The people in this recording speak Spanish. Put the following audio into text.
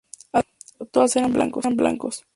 Además, todos eran blancos.